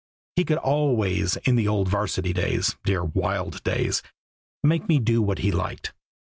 He could always in the old varsity days dear, wild days make me do what he liked.